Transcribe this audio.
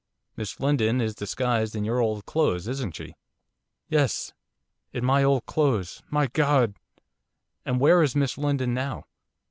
Miss Lindon is disguised in your old clothes, isn't she?' 'Yes, in my old clothes. My God!' 'And where is Miss Lindon now?